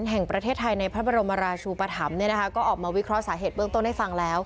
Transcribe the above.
แห่งประเทศไทยในพระบรมราชูปธรรมก็ออกมาวิเคราะห์สาเหตุเบื้องต้นให้ฟังแล้ว